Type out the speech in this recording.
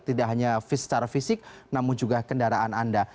tidak hanya secara fisik namun juga kendaraan anda